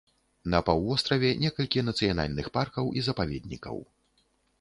На паўвостраве некалькі нацыянальных паркаў і запаведнікаў.